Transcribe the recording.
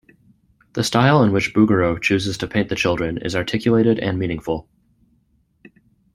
The style in which Bouguereau chooses to paint the children is articulated and meaningful.